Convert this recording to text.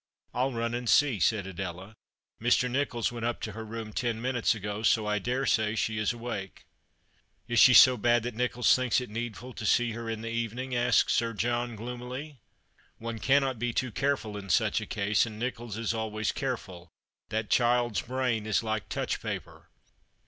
"I'll run and see," said Adela. "j\Ir. Kicholls went up to her room ten minutes ago, so I dare say she is awake." The Christmas Hirelings. 251 " Is she so bad that NichoUs thinks it needful to see her in the evening ?" asked Sir John, gloomily. " One cannot be too careful in such a case ; and Nicholls is always careful. That child's brain is like touch paper."